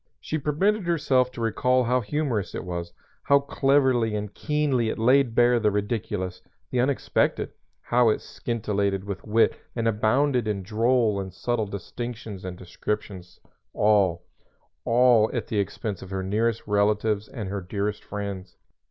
She permitted herself to recall how humorous it was, how cleverly and keenly it laid bare the ridiculous, the unexpected, how it scintillated with wit and abounded in droll and subtle distinctions and descriptions all all at the expense of her nearest relatives and her dearest friends.